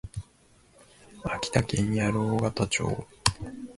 秋田県八郎潟町